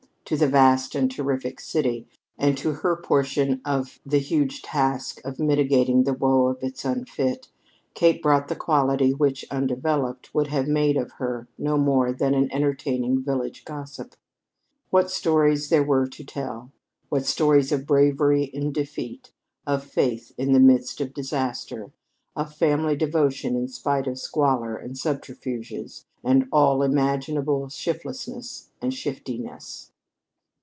To the vast and terrific city, and to her portion of the huge task of mitigating the woe of its unfit, Kate brought the quality which, undeveloped, would have made of her no more than an entertaining village gossip. What stories there were to tell! What stories of bravery in defeat, of faith in the midst of disaster, of family devotion in spite of squalor and subterfuges and all imaginable shiftlessness and shiftiness.